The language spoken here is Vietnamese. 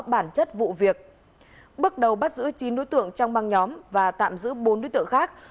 bản chất vụ việc bước đầu bắt giữ chín đối tượng trong băng nhóm và tạm giữ bốn đối tượng khác